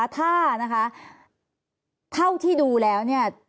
ถ้าเท่าที่ดูแล้ว